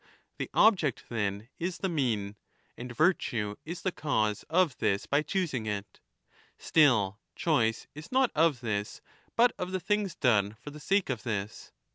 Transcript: The object, then, is the mean, and virtue is the cause of this by choosing it.* Still choice^is not of this but of the things done for the sake of this.